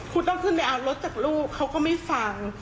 คุณต้องขึ้นไปเอารถจากลูกเขาก็ไม่ฟัง